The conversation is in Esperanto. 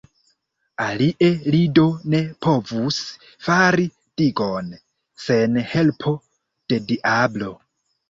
Alie li do ne povus fari digon, sen helpo de diablo!